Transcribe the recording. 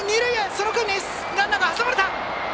その間にランナー、挟まれた。